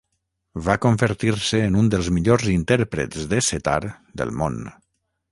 Va convertir-se en un dels millors intèrprets de setar del món.